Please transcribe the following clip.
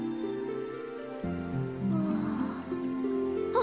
あ。